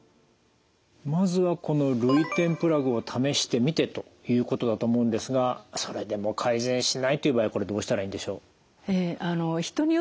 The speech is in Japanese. まずはこの涙点プラグを試してみてということだと思うんですがそれでも改善しないという場合はこれどうしたらいいんでしょう？